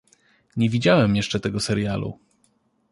Nie widziałem jeszcze tego serialu.